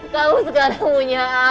kamu sekarang punya aku